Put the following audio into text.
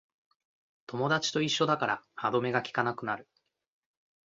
友達と一緒だから歯止めがきかなくなる